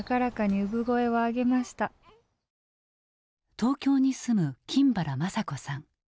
東京に住む金原まさ子さん。